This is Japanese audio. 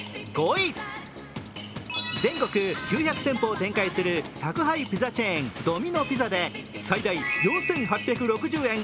全国９００店舗を展開する宅配ピザチェーン、ドミノ・ピザで最大４８６０円